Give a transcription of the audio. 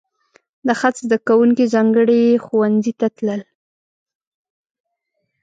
د خط زده کوونکي ځانګړي ښوونځي ته تلل.